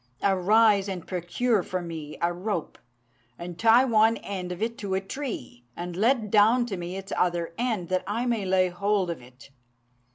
Arise and procure for me a rope, and tie one end of it to a tree, and let down to me its other end, that I may lay hold of it.